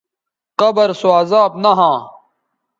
قبر سو عذاب نہ ھواں